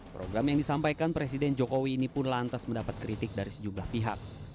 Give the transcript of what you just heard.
program yang disampaikan presiden jokowi ini pun lantas mendapat kritik dari sejumlah pihak